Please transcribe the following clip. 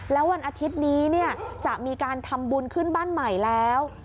แล้ววันอาทิตย์นี้จะมีการทำบุญขึ้นบ้านใหม่แล้ว